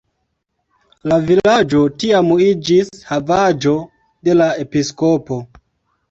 La vilaĝo tiam iĝis havaĵo de la episkopo.